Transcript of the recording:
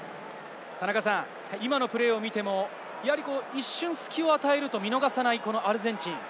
今のプレーを見ても、一瞬隙を与えると見逃さないアルゼンチン。